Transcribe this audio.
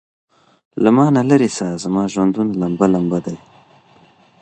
له مانه ليري سه زما ژوندون لمبه ،لمبه دی.......